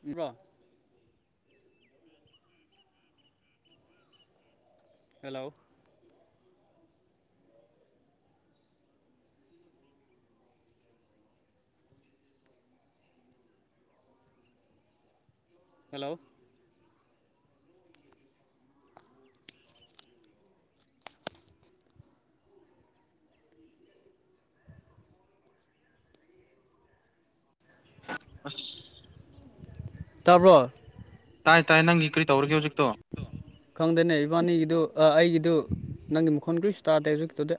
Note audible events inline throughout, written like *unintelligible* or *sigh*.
ꯁꯤꯔꯣ hello hello ꯑꯁ ꯇꯥꯕ꯭ꯔꯣ ꯇꯥꯏ ꯇꯥꯏ ꯅꯪꯒꯤ ꯀ꯭ꯔꯤ ꯇꯧꯔꯒꯦ ꯍꯧꯖꯤꯛꯀꯤꯗꯨ ꯈꯪꯗꯦꯅꯦ ꯏꯕꯥꯅꯤꯒꯤꯗꯨ ꯑꯥ ꯑꯩꯒꯤ ꯗꯨ ꯅꯪꯒꯤ ꯃꯈꯣꯟ ꯀ꯭ꯔꯤꯁꯨ ꯇꯥꯗꯦ ꯍꯧꯖꯤꯛꯀꯤꯗꯨꯗꯤ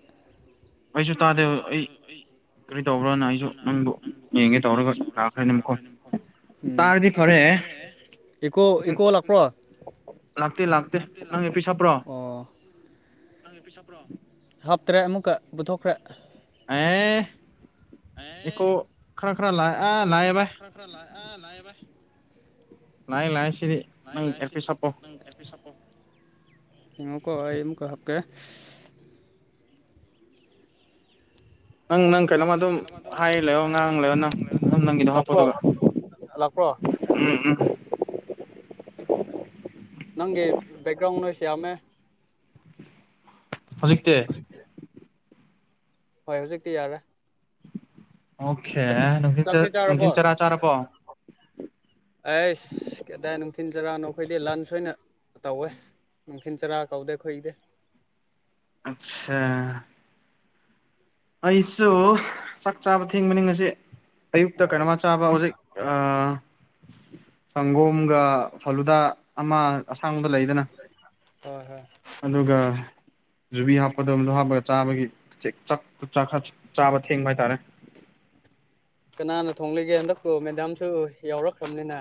ꯑꯩꯁꯨ ꯇꯥꯗꯦꯕ ꯑꯩ ꯀ꯭ꯔꯤ ꯇꯧꯕ꯭ꯔꯅ ꯑꯩꯁꯨ ꯅꯪꯕꯨ ꯌꯦꯡꯒꯦ ꯇꯧꯔꯒ ꯂꯥꯛꯈ꯭ꯔꯅꯤ ꯃꯐꯝ ꯎꯝ ꯇꯥꯔꯗꯤ ꯐꯔꯦ ꯏꯀꯣ ꯏꯀꯣ ꯂꯥꯛꯄ꯭ꯔꯣ ꯂꯥꯛꯇꯦ ꯂꯥꯛꯇꯦ ꯅꯪ ꯑꯦꯄꯤꯁ ꯍꯥꯞꯄ꯭ꯔꯣ ꯅꯪ ꯑꯦꯄꯤꯁ ꯍꯥꯞꯄ꯭ꯔꯣ ꯍꯥꯞꯇ꯭ꯔꯦ ꯑꯃꯨꯛꯀ ꯄꯨꯊꯣꯛꯈ꯭ꯔꯦ ꯑꯥꯏꯏ ꯑꯦꯀꯣ ꯈꯔ ꯈꯔ ꯂꯥꯛꯑꯦ ꯑ ꯂꯥꯛꯑꯦ ꯕꯥꯏ ꯂꯥꯏꯑꯦ ꯂꯥꯏꯑꯦ ꯁꯤꯗꯤ ꯅꯪ ꯑꯦꯔꯄꯤꯁ ꯍꯥꯞꯄꯣ ꯌꯦꯡꯉꯣꯀꯣ ꯑꯩ ꯑꯃꯨꯛꯀ ꯍꯥꯞꯀꯦ ꯅꯪ ꯀꯩꯅꯣꯝꯃ ꯅꯪ ꯀꯩꯅꯣꯃ ꯑꯗꯨꯝ ꯍꯥꯏ ꯂꯩꯌꯣ ꯉꯥꯡ ꯍꯥꯏꯂꯩꯑꯣ ꯂꯩꯌꯣ ꯉꯥꯡꯂꯩꯑꯣ ꯅꯪ ꯑꯗꯨꯝ ꯅꯪꯒꯤꯗꯣ ꯍꯥꯞꯄꯣ ꯂꯥꯛꯄ꯭ꯔꯣ ꯑꯗꯨꯒ ꯂꯥꯛꯄ꯭ꯔꯣ ꯎꯝ ꯎꯝ ꯅꯪꯒꯤ ꯕꯦꯛꯒ꯭ꯔꯥꯎꯟ ꯅꯣꯏꯁ ꯌꯥꯝꯃꯦ ꯍꯧꯖꯤꯛꯇꯤ ꯍꯣꯏ ꯍꯧꯖꯤꯛꯇꯤ ꯌꯥꯔꯦ ꯈꯦꯍ ꯍ ꯅꯨꯡꯊꯤꯟ ꯆꯥꯛꯇꯤ ꯆꯥꯔꯕꯣ ꯅꯨꯡꯊꯤꯟ ꯆꯔꯥ ꯆꯥꯔꯕꯣ *inaudible* ꯑꯩꯁ ꯀꯗꯥꯏ ꯅꯨꯡꯊꯤꯟ ꯆꯔꯥꯛꯅꯣ ꯑꯩꯈꯣꯏꯗꯤ ꯂꯟꯁ ꯑꯣꯏꯅ ꯇꯧꯋꯦ ꯊꯤꯟꯆꯔꯥ ꯇꯧꯗꯦ ꯈꯣꯢꯒꯤꯗꯤ ꯑꯆꯥ ꯑꯩꯁꯨ ꯆꯥꯛ ꯆꯥꯕ ꯊꯦꯡꯕꯅꯤ ꯉꯁꯤ ꯑꯌꯨꯛꯇ ꯑꯣ ꯍꯣꯏ ꯀꯩꯅꯣꯃ ꯆꯥꯕ ꯍꯧꯖꯤꯛ ꯑꯥ ꯁꯒꯣꯝꯒ ꯐꯂꯨꯗꯥ ꯑꯃ ꯑꯁꯥꯡꯕ ꯂꯩꯗꯅ ꯍꯣꯏ ꯑꯗꯨꯒ ꯖꯨꯕꯤ ꯍꯥꯞꯄꯗꯣꯡꯗꯣ ꯍꯥꯞꯄꯒ ꯆꯥꯕꯒꯤ ꯆꯤꯛ ꯆꯥꯛ ꯆꯣꯛ ꯈꯔ ꯆꯥꯕ ꯊꯦꯡꯕ ꯍꯥꯏꯇꯥꯔꯦ ꯀꯅꯥꯅ ꯊꯣꯡꯂꯤꯒꯦ ꯍꯟꯗꯛꯄꯨ ꯃꯦꯗꯥꯝꯁꯨ ꯌꯥꯎꯔꯛꯈ꯭ꯔꯕꯅꯤꯅ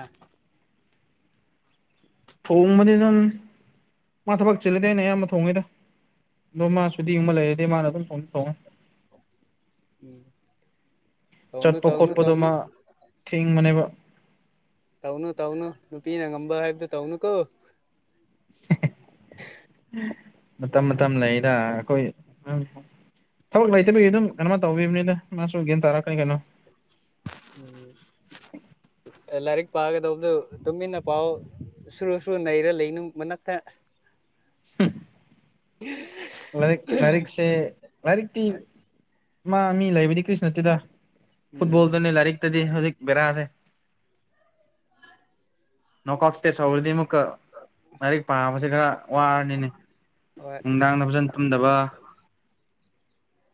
ꯊꯣꯡꯕꯗꯤ ꯗꯨꯝ ꯃꯥ ꯊꯕꯛ ꯆꯤꯜꯂꯗꯤ ꯑꯩꯅ ꯑꯌꯥꯝꯕ ꯊꯣꯡꯉꯤꯗ ꯗꯣ ꯃꯥ ꯁꯨꯗꯤꯒꯨꯝꯕ ꯂꯩꯔꯗꯤ ꯃꯥꯅ ꯑꯗꯨꯝ ꯐꯟ ꯊꯣꯡꯉꯣ ꯇꯧꯅꯨ ꯆꯠꯄ ꯇꯧꯅꯨ ꯈꯣꯠꯄꯗꯨ ꯇꯧꯅꯨ ꯃꯥ ꯊꯦꯡꯕꯅꯦꯕ ꯇꯧꯅꯨ ꯇꯧꯅꯨ ꯅꯨꯄꯤꯅ ꯉꯝꯕ ꯍꯥꯏꯕꯗꯨ ꯇꯧꯅꯨ ꯀꯣ *unintelligible* ꯃꯇꯝ ꯃꯇꯝ ꯂꯩꯗ ꯑꯩꯈꯣꯏ ꯗꯨꯝ ꯊꯕꯛ ꯂꯩꯇꯕꯒꯤ ꯑꯗꯨꯝ ꯀꯩꯅꯣ ꯇꯧꯕꯤꯕꯅꯦꯗ ꯃꯥꯁꯨ ꯒ꯭ꯌꯥꯟ ꯇꯥꯔꯛꯀꯅꯤ ꯀꯩꯅꯣ ꯎꯝ ꯂꯥꯏꯔꯤꯛ ꯄꯥꯒꯗꯧꯗꯣ ꯇꯨꯃꯤꯟꯅ ꯄꯥꯎꯑꯣ ꯁꯨꯔꯨ ꯁꯨꯔꯨ ꯅꯩꯔ ꯂꯩꯅꯨ ꯃꯅꯥꯛꯇ ꯍꯨꯛ ꯂꯥꯏꯔꯤꯛ ꯂꯥꯏꯔꯤꯛꯁꯦ ꯂꯥꯏꯔꯤꯛꯇꯤ ꯃꯥ ꯃꯤ ꯂꯩꯕꯗꯤ ꯀ꯭ꯔꯤꯁꯨ ꯅꯠꯇꯦꯗ ꯎꯝ ꯐꯨꯠꯕꯣꯜꯗꯅꯦ ꯂꯥꯏꯔꯤꯛꯇꯗꯤ ꯍꯧꯖꯤꯛ ꯕꯦꯔꯥꯁꯦ ꯅꯣꯡꯀꯣꯛꯁ꯭ꯇꯦꯁ ꯍꯧꯔꯗꯤ ꯑꯃꯨꯛꯀ ꯂꯥꯏꯔꯤꯛ ꯄꯥꯕꯁꯦ ꯈꯔ ꯋꯥꯕꯅꯤꯅꯦ ꯍꯣꯏ ꯅꯨꯡꯗꯥꯡꯗ ꯐꯖꯟ ꯇꯨꯝꯗꯕ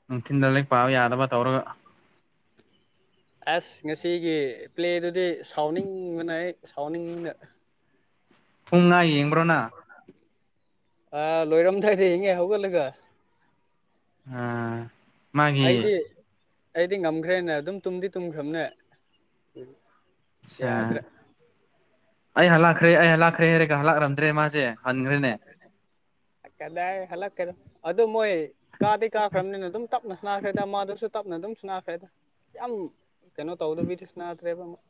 ꯅꯨꯡꯊꯤꯟꯗ ꯂꯥꯏꯔꯤꯛ ꯄꯥꯕ ꯌꯥꯗꯕ ꯇꯧꯔ ꯑꯁ ꯉꯁꯤꯒꯤ ꯄ꯭ꯂꯦꯗꯨꯗꯤ ꯁꯥꯎꯅꯤꯡꯕꯅ ꯑꯩ ꯁꯥꯎꯅꯤꯡꯕꯅ ꯄꯨꯡꯉꯥ ꯌꯦꯡꯕ꯭ꯔꯣ ꯅ ꯑꯥ ꯂꯣꯏꯔꯝꯗꯥꯏꯗ ꯌꯦꯡꯉꯦ ꯍꯧꯒꯠꯂꯒ ꯑꯥ ꯃꯥꯒꯤ ꯑꯩꯗꯤ ꯑꯩꯗꯤ ꯉꯝꯈ꯭ꯔꯦꯅ ꯑꯗꯨꯝ ꯇꯨꯝꯗꯤ ꯇꯨꯝꯈ꯭ꯔꯝꯅꯦ ꯑꯠꯁꯥ ꯌꯥꯗ꯭ꯔꯦ ꯑꯩ ꯍꯥꯂꯛꯈ꯭ꯔꯦ ꯑꯩ ꯂꯥꯛꯈ꯭ꯔꯦ ꯍꯥꯏꯔꯦꯒ ꯍꯂꯥꯛꯔꯝꯗ꯭ꯔꯦ ꯃꯥꯁꯦ ꯍꯟꯒ꯭ꯔꯦꯅꯦ ꯀꯗꯥꯏ ꯍꯜꯂꯛꯀꯦꯗ ꯑꯗꯨ ꯃꯣꯏ ꯀꯥꯗꯤ ꯀꯥꯈ꯭ꯔꯝꯅꯤꯅ ꯑꯗꯨꯝ ꯇꯞꯅ ꯁꯅꯥꯈ꯭ꯔꯦꯗ ꯃꯥꯗꯨꯁꯨ ꯇꯞꯅ ꯑꯗꯨꯝ ꯁꯨꯅꯥꯈ꯭ꯔꯦꯗ ꯌꯥꯝ ꯀꯩꯅꯣ ꯇꯧꯗꯕꯤꯗ ꯁꯅꯥꯗ꯭ꯔꯦꯕ ꯑꯃꯨꯛ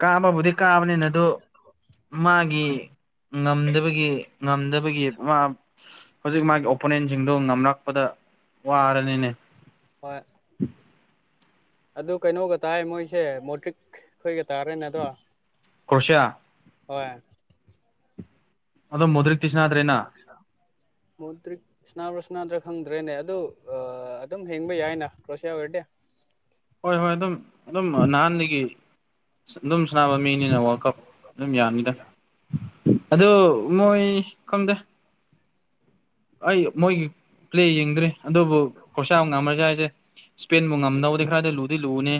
ꯀꯥꯕꯕꯨꯗꯤ ꯀꯥꯕꯅꯤꯅ ꯑꯗꯨ ꯃꯥꯒꯤ ꯉꯝꯗꯕꯒꯤ ꯉꯝꯗꯕꯒꯤ ꯃꯥ ꯍꯧꯖꯤꯛ ꯃꯥꯒꯤ ꯑꯣꯄꯟ ꯏꯟꯖꯤꯟꯗꯣ ꯉꯝꯂꯛꯄꯗ ꯋꯥꯔꯅꯤꯅꯦ ꯍꯣꯏ ꯑꯗꯨ ꯀꯩꯅꯣꯒ ꯇꯥꯏ ꯃꯣꯏꯁꯦ ꯃꯣꯇ꯭ꯔꯤꯛ ꯈꯣꯏꯒ ꯇꯥꯔꯦꯅ ꯑꯗꯣ ꯀꯣꯔꯁꯤꯌꯥ ꯍꯣꯏ ꯑꯗꯣ ꯃꯣꯗ꯭ꯔꯤꯛꯇꯤ ꯁꯥꯟꯅꯗ꯭ꯔꯦꯅ *unintelligible* ꯃꯣꯗ꯭ꯔꯤ ꯁꯤꯅꯥꯔꯣ ꯁꯅꯗ꯭ꯔꯥ ꯈꯪꯗ꯭ꯔꯦꯅꯦ ꯑꯗꯨ ꯑ ꯑꯗꯨꯝ ꯍꯦꯡꯕ ꯌꯥꯏꯅ ꯀ꯭ꯔꯣꯁꯤꯌꯥ ꯑꯣꯏꯔꯗꯤ ꯍꯣꯏ ꯍꯣꯏ ꯑꯗꯨꯝ ꯑꯗꯨꯝ ꯅꯍꯥꯟꯗꯒꯤ ꯑꯗꯨꯝ ꯁꯥꯕ ꯃꯤ ꯅꯤꯅ ꯋꯥꯜꯀꯞ ꯑꯗꯨꯝ ꯌꯥꯝꯃꯤꯗ ꯑꯗꯨ ꯃꯣꯏ ꯈꯪꯗꯦ ꯑꯩ ꯃꯣꯏꯒꯤ ꯄ꯭ꯂꯦ ꯌꯦꯡꯗ꯭ꯔꯦ ꯑꯗꯨꯕꯨ ꯀꯣꯔꯁꯤꯌꯥ ꯉꯥꯝꯃꯁꯨ ꯌꯥꯏꯁꯦ ꯎꯝ *unintelligible* ꯂꯨꯅꯤ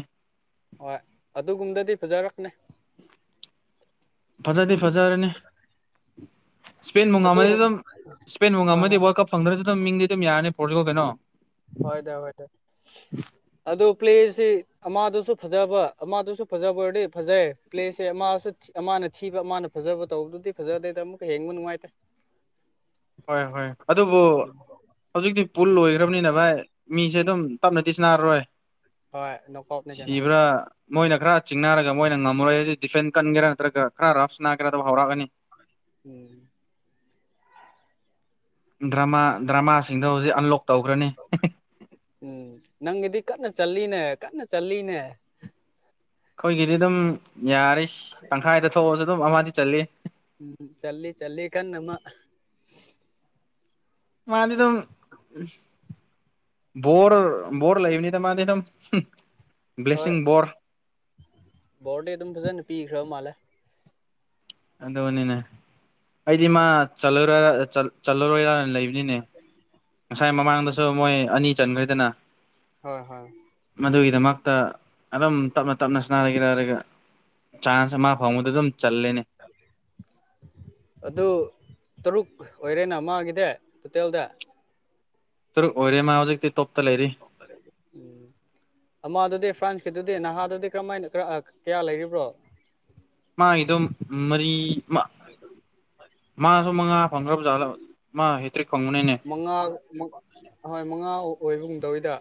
ꯍꯣꯏ ꯑꯗꯨꯒꯨꯝꯕꯗꯗꯤ ꯐꯖꯔꯣꯏ ꯅꯩ ꯐꯖꯗꯤ ꯐꯖꯔꯅꯤ ꯁ꯭ꯄꯦꯟꯕꯨ ꯑꯗꯨ ꯉꯝꯃꯗꯤ ꯑꯗꯨꯝ ꯁ꯭ꯄꯦꯟꯕꯨꯨ ꯍꯣꯏ ꯍꯣꯏ ꯉꯝꯃꯗꯤ ꯋꯥꯔꯜ ꯀꯞ ꯐꯪꯗ꯭ꯔꯁꯨ ꯑꯗꯨꯝ ꯃꯤꯡꯗꯤ ꯑꯗꯨꯝ ꯌꯥꯔꯅꯤ ꯄꯣꯔꯇꯨꯒꯜ ꯀꯩꯅꯣ ꯍꯣꯏꯗ ꯍꯣꯏꯗ ꯁꯤ ꯑꯃꯗꯁꯨ ꯐꯖꯕ ꯑꯃꯗꯁꯨ ꯐꯖꯕ ꯑꯣꯏꯔꯗꯤ ꯐꯖꯩ ꯄ꯭ꯂꯦꯁꯦ ꯃꯁꯨ ꯑꯃꯅ ꯊꯤꯕ ꯃꯥꯅ ꯐꯖꯕ ꯇꯧꯕꯗꯨꯗꯤ ꯐꯖꯗꯦꯗ ꯑꯃꯨꯛꯀ ꯌꯦꯡꯕ ꯅꯨꯡꯉꯥꯏꯇꯦ ꯍꯣꯏ ꯍꯣꯏ ꯑꯗꯨꯕꯨ ꯍꯧꯖꯤꯛꯇꯤ ꯄꯨꯜ ꯑꯣꯏꯒ꯭ꯔꯝꯅꯤꯅ ꯚꯥꯏ ꯃꯤꯁꯦ ꯑꯗꯨꯝ ꯇꯞꯅꯗꯤ ꯁꯅꯥꯔꯔꯣꯏ ꯍꯣꯏ ꯅꯀꯣꯞꯅꯦ ꯀꯩꯅꯣ ꯁꯤꯕ꯭ꯔꯥ ꯃꯣꯏꯅ ꯈꯔ ꯆꯤꯡꯅꯔꯒ ꯃꯣꯏꯅ ꯉꯝꯃꯔꯣꯏꯗꯤ ꯗꯤꯐꯦꯟ ꯀꯟꯒꯦꯔꯥ ꯅꯠꯇ꯭ꯔꯒ ꯈꯔ ꯔꯐ ꯁꯅꯥꯒꯦꯔ ꯑꯗꯨ ꯍꯧꯔꯛꯑꯅꯤ ꯎꯝ ꯗ꯭ꯔꯃꯥ ꯗ꯭ꯔꯃꯥꯁꯤꯡꯗ ꯍꯧꯖꯤꯛ ꯑꯟꯂꯣꯛ ꯇꯧꯈ꯭ꯔꯅꯤ ꯎꯝ ꯅꯪꯒꯤꯗꯤ ꯀꯟꯅ ꯆꯠꯂꯤꯅꯦ ꯀꯟꯅ ꯆꯠꯂꯤꯅꯦ ꯑꯩꯈꯣꯏꯒꯤꯗꯤ ꯑꯗꯨꯝ ꯌꯥꯔꯤꯁ ꯇꯪꯈꯥꯏꯗ ꯊꯣꯛꯑꯁꯨ ꯑꯗꯨꯝ ꯑꯃꯗꯤ ꯆꯜꯂꯤ ꯎꯝ ꯆꯜꯂꯤ ꯆꯜꯂꯤ ꯀꯟꯅ ꯑꯃ ꯃꯥꯗꯤꯗꯨꯝ *inaudible* ꯕꯣꯔ ꯕꯣꯔ ꯂꯩꯕꯅꯤꯗ ꯃꯥꯗꯤꯗꯨꯝ ꯍꯨꯡ ꯍꯣꯏ ꯕ꯭ꯂꯦꯁꯤꯡ ꯕꯣꯔ ꯕꯣꯔꯗꯤ ꯑꯗꯨꯝ ꯐꯖꯟꯅ ꯄꯤꯈ꯭ꯔꯕ ꯃꯥꯜꯂꯦ ꯑꯗꯨꯅꯤꯅꯦ ꯑꯩꯗꯤ ꯃꯥ ꯆꯜꯂꯔ ꯆꯠꯂꯔꯣꯏꯌꯥꯅ ꯂꯩ ꯅꯤꯅꯦ ꯉꯁꯥꯏ ꯃꯃꯥꯡꯗꯁꯨ ꯃꯣꯏ ꯑꯅꯤ ꯆꯟꯈ꯭ꯔꯦꯗꯅ ꯍꯣꯏ ꯍꯣꯏ ꯇ ꯑꯗꯨꯝ ꯇꯞꯅ ꯇꯞꯅ ꯁꯅꯥꯂꯩꯒꯦꯔ ꯍꯥꯏꯔꯒ ꯆꯥꯟꯁ ꯑꯃ ꯐꯪꯕꯗꯨ ꯑꯗꯨꯝ ꯆꯜꯂꯦꯅꯦ ꯑꯣꯏꯔꯦ ꯅ ꯃꯥꯒꯤꯗꯤ ꯇꯣꯇꯦꯜꯗ ꯇꯔꯨꯛ ꯑꯣꯏꯔꯦ ꯃꯥ ꯍꯧꯖꯤꯛꯇꯤ ꯇꯣꯞ *unintelligible* ꯎꯝ ꯑꯃꯗꯗꯤ ꯐ꯭ꯔꯥꯟꯁꯀꯤꯗꯨꯗꯤ ꯅꯍꯥꯗꯨꯗꯤ ꯀ꯭ꯔꯝꯃꯥꯏꯅ ꯀꯌꯥ ꯂꯩꯒꯤꯕ꯭ꯔꯣ ꯃꯥꯒꯤꯗꯣ ꯃꯔꯤ ꯃ ꯃꯥꯁꯨ ꯃꯉꯥ ꯐꯪꯈ꯭ꯔꯕꯖꯥꯠꯂꯣ ꯃꯉꯥ ꯍꯣꯏ ꯃꯉꯥ ꯑꯣꯏꯕꯒꯨꯝ ꯇꯧꯋꯤꯗ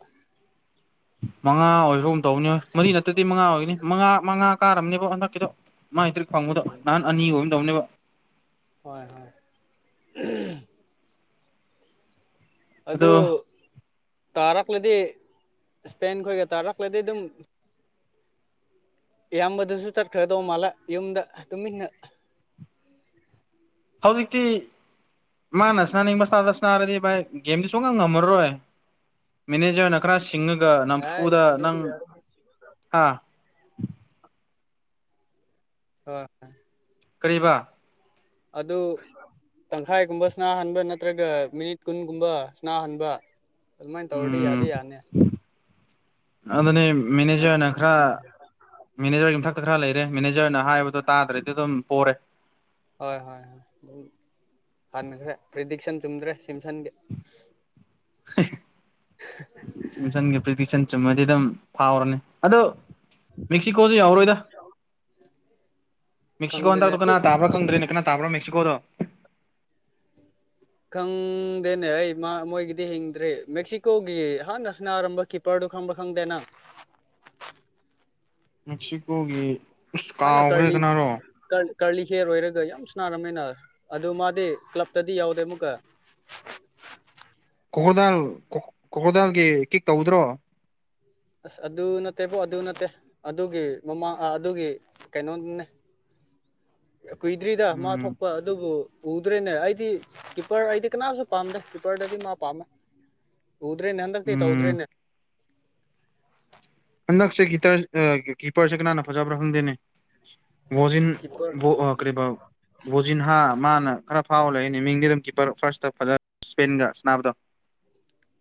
ꯃꯉꯥ ꯑꯣꯏꯈ꯭ꯔꯒꯨꯝ ꯇꯧꯕꯅꯦ ꯃꯔꯤ ꯅꯠꯇ꯭ꯔꯗꯤ ꯃꯉꯥ ꯑꯣꯏꯒꯅꯤ ꯃꯉꯥ ꯃꯉꯥ ꯀꯥꯔꯝꯅꯤꯕꯣ ꯍꯟꯗꯛꯀꯤꯗꯣ ꯃꯥ ꯍꯦꯇ꯭ꯔꯤꯛ ꯐꯪꯕꯗꯣ ꯎꯝ ꯅꯍꯥꯟ ꯑꯅꯤ ꯑꯣꯏꯒꯨꯝ ꯇꯧꯕꯅꯦꯕ *unintelligible* ꯍꯣꯏ ꯍꯣꯏ ꯑꯗꯣ ꯑꯗꯨ ꯇꯥꯔꯛꯂꯗꯤ ꯁ꯭ꯄꯦꯟ ꯈꯣꯏꯒ ꯇꯥꯔꯛꯂꯗꯤ ꯑꯗꯨꯝ ꯏꯌꯥꯝꯕꯗꯨꯁꯨ ꯆꯠꯈ꯭ꯔꯗꯧ ꯃꯥꯜꯂꯦ ꯌꯨꯝꯗ ꯇꯨꯃꯤꯟꯅ ꯍꯧꯖꯤꯛꯇꯤ ꯃꯥꯅ ꯁꯅꯥꯅꯤꯡꯕ ꯁ꯭ꯇꯥꯏꯜꯗ ꯁꯥꯟꯅꯔꯗꯤ ꯚꯥꯏ ꯒꯦꯝꯗꯤ ꯁꯨꯡꯉꯝ ꯉꯝꯃꯔꯣꯏ ꯃꯦꯅꯦꯖꯔ ꯅ ꯀ꯭ꯔꯥꯁ ꯆꯤꯡꯉꯒ ꯍꯥꯏ ꯅꯝꯐꯨꯗ ꯑꯗꯨꯗꯤ ꯅꯪ ꯍꯥ ꯑ ꯀꯔꯤꯕ ꯑꯗꯨ ꯇꯪꯈꯥꯏꯒꯨꯝꯕ ꯁꯅꯥꯍꯟꯕ ꯅꯠꯇ꯭ꯔꯒ ꯃꯤꯅꯤꯠ ꯀꯨꯟꯒꯨꯝꯕ ꯁꯅꯥꯍꯟꯕ ꯑꯗꯨꯃꯥꯏꯅ ꯇꯧꯔꯗꯤ ꯎꯝ ꯌꯥꯗꯤ ꯌꯥꯅꯤ ꯑꯗꯨꯅꯦ ꯃꯦꯅꯦꯖꯔ ꯅ ꯈ꯭ꯔ ꯃꯦꯅꯦꯖꯔꯒꯤ ꯃꯊꯛꯇ ꯈꯔ ꯂꯩꯔꯦ ꯃꯦꯅꯦꯖꯔꯅ ꯍꯥꯏꯕꯗꯣ ꯇꯥꯗ꯭ꯔꯗꯤ ꯑꯗꯨꯝ ꯄꯣꯔꯦ ꯍꯣꯏ ꯍꯣꯏ ꯍꯣꯏ ꯑꯗꯨꯝ ꯍꯟꯈ꯭ꯔꯦ ꯄ꯭ꯔꯤꯗꯤꯛꯁꯟ ꯆꯨꯝꯗ꯭ꯔꯦ *unintelligible* ꯁꯨꯝꯁꯟꯒꯤ ꯄ꯭ꯔꯦꯗꯤꯛꯁꯟ ꯆꯨꯝꯃꯗꯤ ꯑꯗꯨꯝ ꯐꯥꯎꯔꯅꯤ ꯑꯗꯣ ꯃꯦꯛꯁꯤꯀꯣꯗꯣ ꯌꯥꯎꯔꯣꯏꯗ ꯃꯦꯛꯁꯤꯀꯣ ꯈꯪꯗꯅꯦ ꯍꯟꯗꯇꯨ ꯑꯗꯨ ꯀꯅꯥ ꯇꯥꯕ꯭ꯔ ꯈꯪꯗ꯭ꯔꯦꯅꯦ ꯀꯅꯥ ꯇꯥꯕ꯭ꯔꯥ ꯃꯦꯛꯁꯤꯀꯣꯗꯣ ꯈꯪꯗꯦꯅꯦ ꯑꯩ ꯃꯥ ꯃꯣꯏꯒꯤꯗꯤ ꯍꯤꯡꯗ꯭ꯔꯦ ꯃꯦꯛꯁꯤꯀꯣꯒꯤ ꯍꯥꯟꯅ ꯁꯅꯥꯔꯝꯕ ꯀꯤꯞꯄꯔꯗꯨ ꯈꯪꯕ꯭ꯔꯥ ꯈꯪꯗꯦꯅ ꯃꯦꯛꯁꯤꯀꯣꯒꯤ ꯑꯁ ꯍꯥꯟꯅ ꯀꯥꯎꯈ꯭ꯔꯦ ꯀꯔꯂꯤ ꯀꯅꯥꯔꯣ ꯀꯔꯂꯤ ꯍꯤꯌꯔ ꯑꯣꯏꯔꯒ ꯌꯥꯝ ꯁꯅꯥꯔꯝ ꯅꯣꯏꯅ ꯑꯗꯨ ꯃꯥꯗꯤ ꯀ꯭ꯂꯞꯇꯗꯤ ꯌꯥꯎꯗꯦ ꯑꯃꯨꯛꯀ ꯀꯣꯀꯣꯔꯗꯥꯜ ꯀꯣꯀꯣꯔꯗꯥꯜꯒꯤ ꯀꯤꯛ ꯇꯧꯗ꯭ꯔꯣ ꯑꯁ ꯑꯗꯨ ꯅꯠꯇꯦꯕꯣ ꯑꯗꯨ ꯅꯠꯇꯦ ꯑꯗꯨꯒꯤ ꯃꯃꯥꯡ ꯑ ꯑꯗꯨꯒꯤ ꯀꯩꯅꯣꯗꯨꯅꯦ ꯀꯨꯏꯗ꯭ꯔꯤꯗ ꯃꯥ ꯎꯝ ꯊꯣꯛꯄ ꯑꯗꯨꯕꯨ ꯎꯗ꯭ꯔꯦꯅꯦ ꯑꯩꯗꯤ ꯀꯤꯞꯄꯔ ꯑꯩꯗꯤ ꯀꯅꯥꯝꯁꯨ ꯄꯥꯝꯗꯦ ꯀꯤꯞꯄꯔꯗꯗꯤ ꯃꯥ ꯄꯥꯝꯃꯦ ꯎꯗ꯭ꯔꯦꯅꯦ ꯍꯟꯗꯛꯇꯤ ꯎꯝ ꯇꯧꯗ꯭ꯔꯦꯅꯦ ꯍꯟꯗꯛꯁꯦ ꯀꯤꯇꯔ ꯑ ꯀꯤꯞꯄꯔꯁꯦ ꯀꯅꯥꯅ ꯐꯖꯕ꯭ꯔꯥ ꯈꯪꯗꯦꯅꯦ ꯕꯣꯖꯤꯟ ꯀꯤꯞꯄꯔ ꯕꯣ ꯑ ꯀꯔꯤꯕ ꯕꯣꯖꯤꯟ ꯍꯥ ꯃꯥꯅ ꯈꯔ ꯐꯥꯎ ꯂꯩꯅꯦ ꯃꯤꯡꯗꯤ ꯑꯗꯨꯝ ꯀꯤꯄꯔ ꯐꯥꯔꯁꯇ ꯐꯖ ꯁ꯭ꯄꯦꯟꯒ ꯁꯥꯟꯅꯕꯗꯣ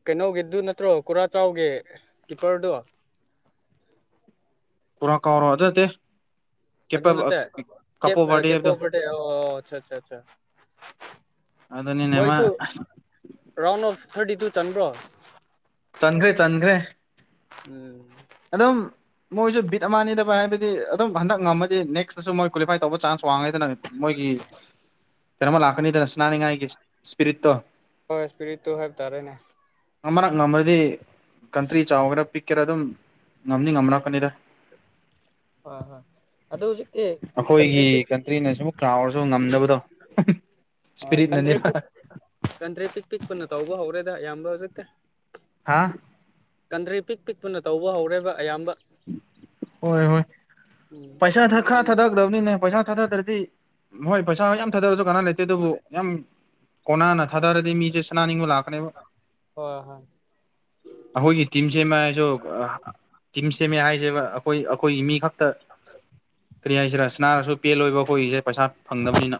ꯀꯩꯅꯣꯒꯤꯗꯨ ꯅꯠꯇ꯭ꯔꯣ ꯀꯨꯔꯥꯆꯥꯎꯒꯤ ꯀꯤꯞꯄꯔꯗꯣ ꯀꯨꯔꯥ ꯀꯥꯎꯔꯣ ꯑꯗꯨ ꯅꯠꯇꯦ ꯑꯗꯨ ꯀꯦꯄ ꯅꯠꯇꯦ ꯀꯦꯞ ꯀꯥꯄꯣ ꯑ ꯕꯥꯔꯗꯦ ꯀꯦꯄꯣ ꯍꯥꯏꯕꯗꯣ ꯐꯦ *unintelligible* ꯑꯣ ꯑꯆꯥ ꯑꯆꯥ ꯑꯆꯥ ꯑꯗꯨꯅꯤꯅꯦ ꯃꯥ ꯃꯣꯏꯁꯨ ꯔꯥꯎꯟ ꯑꯣꯐ ꯊꯥꯔꯇꯤ ꯇꯨ ꯆꯟꯕ꯭ꯔꯣ ꯆꯟꯒ꯭ꯔꯦ ꯆꯟꯒ꯭ꯔꯦ ꯎꯝ ꯑꯗꯨꯝ ꯃꯣꯏꯁꯨ ꯕꯤꯠ ꯑꯃꯅꯤꯗꯕ ꯍꯥꯏꯕꯗꯤ ꯑꯗꯨꯝ ꯍꯟꯗꯛ ꯉꯝꯃꯗꯤ ꯅꯦꯛꯁꯇꯁꯨ ꯃꯣꯏ ꯀ꯭ꯋꯥꯂꯤꯐꯥꯏ ꯇꯧꯕ ꯆꯥꯟꯁ ꯋꯥ꯭ꯡꯉꯤꯗꯅ ꯃꯣꯏꯒꯤ ꯀꯩꯅꯣꯃ ꯂꯥꯛ ꯀꯅꯤꯗꯅ ꯁꯅꯥꯅꯤ ꯉꯥꯏꯒꯤ ꯏꯁꯄꯤꯔꯤꯠꯇꯣ ꯍꯣꯏ ꯏꯁꯄꯤꯔꯤꯠ ꯇꯨ ꯍꯥꯏꯕ ꯇꯥꯔꯦꯅꯦ ꯑꯃꯔꯛ ꯉꯝꯃꯗꯤ ꯀꯟꯇ꯭ꯔꯤ ꯆꯥꯎꯒꯦꯔꯥ ꯄꯤꯛꯀꯦꯔꯥ ꯑꯗꯨꯝ ꯉꯝꯅꯤ ꯉꯝꯔꯛ ꯀꯅꯤꯗ ꯍꯣꯏ ꯍꯣꯏ ꯑꯗꯨ ꯍꯧꯖꯤꯛꯇꯤ ꯀꯟꯇ꯭ꯔꯤ ꯑꯈꯣꯏꯒꯤ ꯄꯤꯛ ꯄꯤꯛ ꯀꯟꯇ꯭ꯔꯤꯅ ꯑꯁꯨꯃꯨꯛ ꯆꯥꯎꯔꯁꯨ ꯉꯝꯗꯕꯗꯣ ꯍꯣꯏ ꯀꯟꯗ꯭ꯔꯤ ꯄꯤꯛ ꯏꯁꯄꯤꯔꯤꯠꯅꯅꯦꯕ ꯀꯟꯗ꯭ꯔꯤ ꯄꯤꯛ ꯄꯤꯛꯄꯅ ꯇꯧꯕ ꯍꯧꯔꯦꯗ ꯑꯌꯥꯝꯕ ꯍꯧꯖꯤꯛꯇꯦ ꯍꯥꯥ ꯀꯟꯇ꯭ꯔꯤ ꯄꯤꯛ ꯄꯤꯛꯄꯅ ꯇꯧꯕ ꯍꯧꯔꯦꯕ ꯑꯌꯥꯝꯕ ꯍꯣꯏ ꯍꯣꯏ ꯎꯝ ꯄꯩꯁꯥ ꯊꯥ ꯈꯥ ꯍꯣꯏ ꯊꯥꯗꯒꯗꯕꯅꯤꯅꯦ ꯄꯩꯁꯥ ꯊꯥꯗꯗ꯭ꯔꯗꯤ ꯃꯣꯏ ꯄꯩꯁꯥ ꯌꯥꯝ ꯊꯥꯗꯔꯁꯨ ꯀꯅꯥ ꯂꯩꯇꯦ ꯑꯗꯨꯕꯨ ꯌꯥꯝ ꯀꯣꯅꯥꯅ ꯊꯥꯗꯔꯗꯤ ꯃꯤꯁꯦ ꯁꯅꯥꯅꯤꯡꯕ ꯂꯥꯛꯀꯅꯤꯕ ꯍꯣꯏ ꯍꯣꯏ ꯑꯈꯣꯏꯒꯤ ꯇꯤꯝꯁꯦꯝꯃꯛꯑꯁꯨ ꯑ ꯌꯨꯝ ꯁꯦꯝꯃꯦ ꯍꯥꯏꯁꯦꯕ ꯑꯈꯣꯏ ꯑꯈꯣꯏꯒꯤ ꯃꯤ ꯈꯛꯇ ꯀꯔꯤ ꯍꯥꯏꯁꯤꯔ ꯁꯅꯥꯔꯁꯨ ꯄꯦꯜꯂꯣꯏꯕ ꯑꯩꯈꯣꯏꯒꯤꯁꯦ ꯄꯩꯁꯥ ꯐꯪꯗꯕꯅꯤꯅ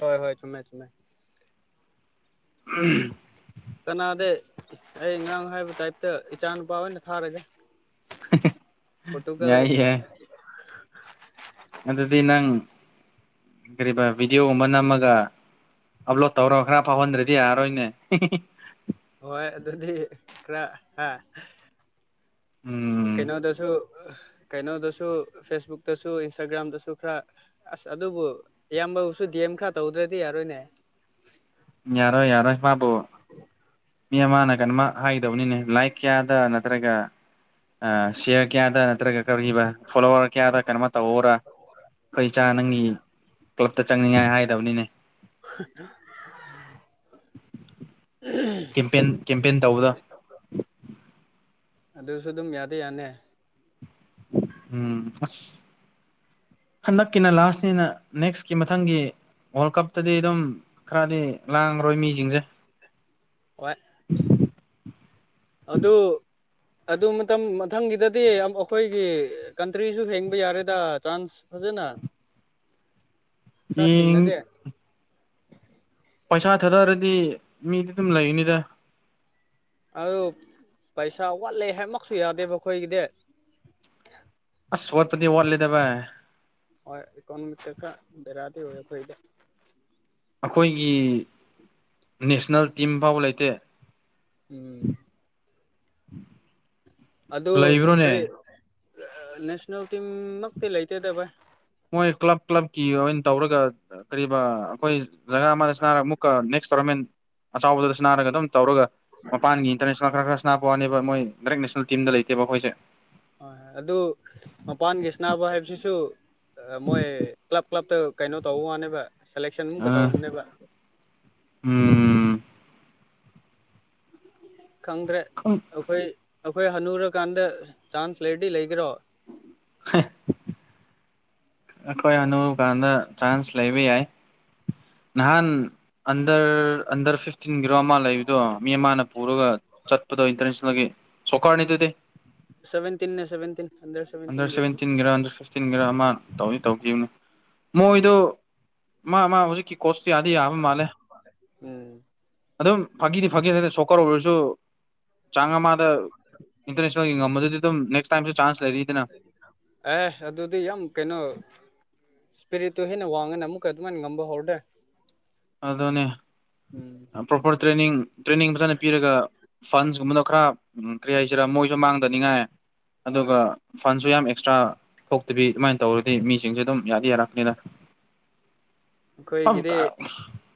ꯍꯣꯏ ꯍꯣꯏ ꯆꯨꯝꯃꯦ ꯆꯨꯝꯃꯦ ꯎꯝ ꯀꯅꯥꯗꯦ ꯑꯩ ꯉꯔꯣꯡ ꯍꯥꯏꯕ ꯇꯥꯏꯞꯇ ꯏꯆꯥꯅꯨꯄꯥ ꯑꯣꯏꯅ ꯊꯥꯔꯒꯦ *unintelligible* ꯄꯣꯔꯇꯨꯒꯜ ꯌꯥꯏ ꯌꯥꯏ ꯑꯗꯨꯗꯤ ꯅꯪ ꯀꯔꯤꯕ ꯚꯤꯗꯤꯑꯣ ꯑꯃ ꯅꯝꯃꯒ ꯑꯞꯂꯣꯗ ꯇꯧꯔꯒ ꯈꯔ ꯐꯥꯎꯍꯟꯗ꯭ꯔꯗꯤ ꯌꯥꯔꯣꯏꯅꯦ ꯍꯤ ꯍꯤ ꯍꯤ ꯍꯣꯏ ꯑꯗꯨꯗꯤ ꯈꯔ ꯍꯥ ꯎꯝ ꯀꯩꯅꯣꯗꯁꯨ ꯀꯩꯅꯣꯗꯁꯨ ꯐꯦꯁꯕꯨꯛꯇꯁꯨ ꯏꯟꯁꯇꯥꯒ꯭ꯔꯥꯝꯗꯁꯨ ꯈꯔ ꯑꯁ ꯑꯗꯨꯕꯨ ꯏꯌꯥꯝꯕꯕꯨꯁꯨ ꯗꯤꯑꯦꯝ ꯈꯔ ꯇꯧꯗ꯭ꯔꯗꯤ ꯌꯥꯔꯣꯏꯅꯦ ꯌꯥꯔꯣꯏ ꯌꯥꯔꯣꯏ ꯃꯥꯕꯨ ꯃꯤ ꯑꯃꯅ ꯀꯩꯅꯣꯃ ꯍꯥꯏꯒꯗꯕꯅꯤꯅꯦ ꯂꯥꯏꯛ ꯀꯌꯥꯗ ꯅꯠꯇ꯭ꯔꯒ ꯁꯤꯌꯥꯔ ꯀꯌꯥꯗ ꯇꯔꯒ ꯀꯔꯤꯕ ꯐꯣꯂꯣꯋꯥꯔ ꯀꯦꯌꯥꯗ ꯀꯩꯅꯦꯝꯃ ꯇꯧ ꯑꯣꯔ ꯈꯣꯏꯆꯥ ꯎꯝ ꯅꯪꯒꯤ ꯀ꯭ꯂꯞꯇ ꯆꯪꯅꯤꯡꯉꯥꯏ ꯍꯥꯏꯗꯕꯅꯤꯅꯦ *unintelligible* ꯀꯦꯝꯄꯦꯟ ꯀꯦꯝꯄꯦꯟ ꯇꯧꯕꯗꯣ ꯑꯗꯨꯁꯨ ꯑꯗꯨꯝ ꯌꯥꯗꯦ ꯌꯥꯅꯦ ꯎꯝ ꯑꯁ ꯍꯟꯗꯛꯀꯤꯅ ꯂꯥꯁꯅꯤꯅ ꯅꯦꯛꯁꯀꯤ ꯃꯊꯪꯒꯤ ꯋꯥꯔꯜ ꯀꯞꯇꯗꯤ ꯑꯗꯨꯝ ꯈꯔꯗꯤ ꯂꯥꯡ ꯍꯣꯏ ꯃꯤꯖꯤꯡꯖꯦ ꯍꯣꯏ ꯑꯗꯨ ꯑꯗꯨ ꯃꯇꯝ ꯃꯊꯪꯒꯤꯗꯗꯤ ꯑꯩꯈꯣꯏꯒꯤ ꯀꯟꯇ꯭ꯔꯤꯁꯨ ꯍꯦꯡꯕ ꯌꯥꯔꯦꯗ ꯆꯥꯟꯁ ꯐꯖꯅ ꯈꯔ ꯌꯦꯡ ꯁꯤꯡꯉꯗꯦ ꯄꯩꯁꯥ ꯊꯥꯗꯔꯗꯤ ꯃꯤꯗꯤ ꯑꯗꯨꯝ ꯂꯩꯅꯤꯗ ꯑꯗꯨ ꯄꯩꯁꯥ ꯋꯥꯠꯂꯦ ꯍꯥꯏꯃꯛꯁꯨ ꯌꯥꯗꯦꯕ ꯑꯈꯣꯏꯒꯤꯗꯤ ꯑꯁ ꯋꯥꯠꯄꯗꯤ ꯋꯥꯠꯂꯤꯗ ꯚꯥꯏ ꯍꯣꯏ ꯏꯀꯣꯅꯣꯃꯤꯛꯇ ꯈꯔ ꯕꯦꯔꯥꯗꯤ ꯑꯣꯏ ꯑꯈꯣꯏꯗ ꯈꯣꯏꯒꯤ ꯅꯦꯁꯅꯦꯜ ꯇꯤꯝ ꯐꯥꯎꯕ ꯂꯩꯇꯦ ꯎꯝ *unintelligible* ꯑꯗꯨ ꯀ꯭ꯔꯤ ꯂꯩꯕ꯭ꯔꯣꯅꯦ ꯅꯦꯁꯅꯦꯜ ꯇꯤꯝ ꯃꯛꯇꯤ ꯂꯩꯇꯦꯗ ꯕꯥꯏ ꯃꯣꯏ ꯀ꯭ꯂꯕ ꯀ꯭ꯂꯕꯀꯤ ꯑꯣꯏꯅ ꯇꯧꯔꯒ ꯀꯔꯤꯕ ꯈꯣꯏ ꯖꯒꯥ ꯑꯃꯗ ꯁꯅꯥꯔꯒ ꯑꯃꯨꯛꯀ ꯅꯦꯛꯁ ꯇꯣꯔꯅꯥꯃꯦꯟ ꯑꯆꯥꯎꯕꯗꯨꯗꯁꯨ ꯅꯥꯔꯒ ꯑꯗꯨꯝ ꯇꯧꯔꯒ ꯃꯄꯥꯟꯒꯤ ꯏꯟꯇ꯭ꯔꯅꯦꯁꯅꯦꯜ ꯈꯔ ꯈꯔ ꯁꯅꯥꯕ ꯋꯥꯅꯦꯕ ꯃꯣꯏ ꯗꯥꯏꯔꯦꯛ ꯅꯦꯁꯅꯦꯜ ꯇꯤꯝꯗ ꯂꯩꯇꯦꯕ ꯑꯥꯈꯣꯏꯁꯦ ꯍꯣꯏ ꯑꯗꯨ ꯃꯄꯥꯟꯒꯤ ꯁꯅꯥꯕ ꯍꯥꯏꯕꯁꯤꯁꯨ ꯃꯣꯏ ꯀ꯭ꯂꯞ ꯀ꯭ꯂꯞꯇ ꯀꯩꯅꯣ ꯇꯧ ꯃꯥꯅꯦꯕ ꯁꯦꯂꯦꯛꯁꯟ ꯃꯨꯛꯀ ꯑ ꯇꯧꯅꯦꯕ ꯎꯝ ꯈꯪꯗ꯭ꯔꯦ ꯑꯩꯈꯣꯏ ꯑꯩꯈꯣꯏ ꯍꯅꯨꯔꯀꯥꯟꯗ ꯆꯥ꯭ꯟꯁ ꯂꯩꯔꯗꯤ ꯂꯩꯒꯦꯔꯣ ꯍꯦ ꯑꯩꯈꯣꯏ ꯍꯅꯨꯕ ꯀꯥꯟꯗ ꯆꯥ꯭ꯟꯁ ꯂꯩꯕ ꯌꯥꯏ ꯅꯍꯥꯟ ꯑꯗ꯭ꯔ ꯑꯗ꯭ꯔ ꯐꯤꯐ ꯇꯤꯟꯒꯤꯔꯣ ꯑꯃ ꯂꯩꯕꯗꯣ ꯃꯤ ꯑꯃꯅ ꯄꯨꯔꯒ ꯆꯠꯄꯗꯣ ꯏꯟꯇ꯭ꯔꯅꯦꯁꯅꯦꯜꯒꯤ ꯁꯣꯀꯈꯔꯅꯤ ꯑꯗꯨꯗꯤ ꯁꯚꯦꯟꯇꯤꯟꯅꯦ ꯁꯚꯦꯟꯇꯤꯟ ꯑꯟꯗꯔ ꯑꯟꯗ꯭ꯔ ꯁꯚꯦꯟꯇꯤꯟꯒꯤ ꯑꯣꯏꯕꯅꯤ ꯁꯚꯦꯟꯇꯤꯟꯒꯤꯔꯥ ꯑꯟꯗ꯭ꯔ ꯐꯤꯐꯇꯤꯟꯒꯤꯔꯥ ꯑꯃ ꯇꯧꯗꯤ ꯇꯧꯈꯤꯕꯅꯤ ꯎꯝ ꯃꯣꯏꯗꯣ ꯃꯥ ꯃꯥ ꯍꯧꯖꯤꯛꯀꯤ ꯀꯣ꯭ꯁꯇꯨ ꯌꯥꯗꯤ ꯌꯥꯕ ꯃꯥꯜꯂꯦ ꯎꯝ ꯑꯗꯨꯝ ꯐꯥꯒꯤꯗꯤ ꯐꯥꯒꯤ ꯍꯥꯏ ꯁꯣꯀ꯭ꯔ ꯑꯣꯏꯔꯁꯨ ꯆꯥꯡ ꯑꯃꯗ ꯏꯟꯇ꯭ꯔꯅꯦꯁꯅꯦꯜ ꯌꯦꯡꯉꯝꯕꯗꯨꯗꯤ ꯑꯗꯨꯝ ꯅꯦ꯭ꯛꯁ ꯇꯥꯏꯝꯖꯨ ꯆꯥ꯭ꯟꯁ ꯂꯩꯔꯤ ꯑꯦ ꯑꯗꯨꯗꯤ ꯌꯥꯝ ꯀꯩꯅꯣ ꯁ꯭ꯄꯦꯔꯤꯠꯇꯨ ꯍꯦꯟꯅ ꯋꯥꯡꯉꯅ ꯑꯃꯨꯛꯀ ꯑꯗꯨꯃꯥꯏꯅ ꯉꯝꯕ ꯍꯧꯔꯗꯤ ꯑꯗꯨꯅꯦ ꯄ꯭ꯔꯣꯄꯔ ꯇ꯭ꯔꯦꯅꯤꯡ ꯇ꯭ꯔꯦꯅꯤꯡ ꯐꯖꯅ ꯄꯤꯔꯒ ꯐ꯭ꯟꯁꯀꯨꯝꯕꯗ ꯈ꯭ꯔꯥ ꯀ꯭ꯔꯤ ꯍꯥꯏꯁꯤꯔꯥ ꯃꯣꯏꯖꯨ ꯃꯥꯡꯗꯅꯤꯡꯉꯥꯏ ꯍꯣꯏ ꯑꯗꯨꯒ ꯐꯟꯁꯨ ꯌꯥꯝ ꯑꯦꯛꯁꯇ꯭ꯔꯥ ꯊꯣꯛꯇꯕꯤ ꯑꯗꯨꯃꯥꯏꯅ ꯇꯧꯔꯗꯤ ꯃꯤꯁꯤꯡꯁꯦ ꯑꯗꯨꯝ ꯌꯥꯗꯤ ꯌꯥꯔꯛꯀꯅꯤꯗ ꯈꯣꯏꯒꯤꯗꯤ